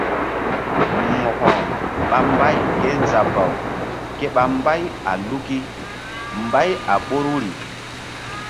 Mo̧ko ɓa mbay kézabaw ke ɓa mbay a luki mbay a ɓoruri.